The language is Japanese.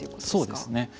そうですね。